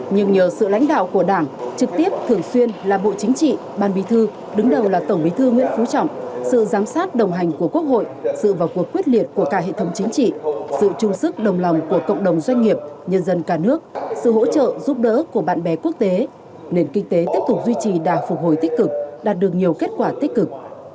nhưng nhờ sự lãnh đạo của đảng trực tiếp thường xuyên là bộ chính trị ban bí thư đứng đầu là tổng bí thư nguyễn phú trọng sự giám sát đồng hành của quốc hội sự vào cuộc quyết liệt của cả hệ thống chính trị sự trung sức đồng lòng của cộng đồng doanh nghiệp nhân dân cả nước sự hỗ trợ giúp đỡ của bạn bè quốc tế nền kinh tế tiếp tục duy trì đạt phục hồi tích cực đạt được nhiều kết quả tích cực